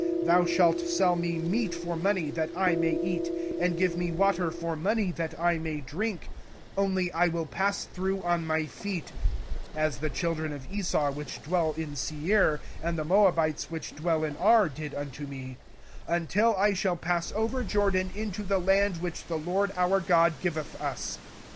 05:002:028 Thou shalt sell me meat for money, that I may eat; and give me water for money, that I may drink: only I will pass through on my feet; 05:002:029 (As the children of Esau which dwell in Seir, and the Moabites which dwell in Ar, did unto me;) until I shall pass over Jordan into the land which the LORD our God giveth us.